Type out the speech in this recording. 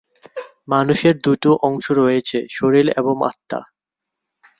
মানুষের দু’টো অংশ রয়েছে- শরীর এবং আত্মা।